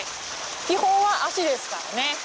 基本は足ですからね。